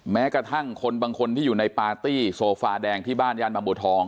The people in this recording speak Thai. แม้กระทั่งคนบางคนที่อยู่ในปาร์ตี้โซฟาแดงที่บ้านย่านบางบัวทอง